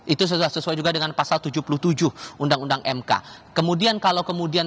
itu sesuai juga dengan pasal tujuh puluh tujuh undang undang mk kemudian kalau kemudian